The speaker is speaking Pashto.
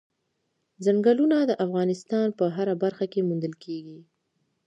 ځنګلونه د افغانستان په هره برخه کې موندل کېږي.